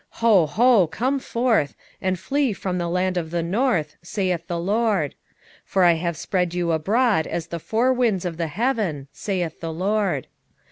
2:6 Ho, ho, come forth, and flee from the land of the north, saith the LORD: for I have spread you abroad as the four winds of the heaven, saith the LORD.